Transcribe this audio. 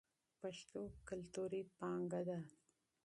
پښتو کلتوري پانګه ده.